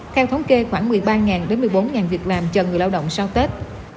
theo thống kê khoảng một mươi ba một mươi bốn việc làm cho người lao động sau tết